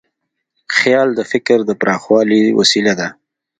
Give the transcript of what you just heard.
خیال د فکر د پراخوالي وسیله ده.